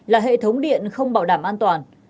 là hệ thống điện không bảo đảm an toàn